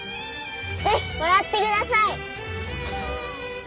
ぜひもらってください！